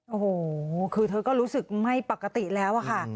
โอ้โหคือเธอก็รู้สึกไม่ปกติแล้วอะค่ะ